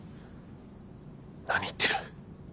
な何言ってる。